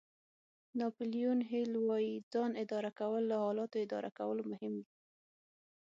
ناپیلیون هېل وایي ځان اداره کول له حالاتو اداره کولو مهم دي.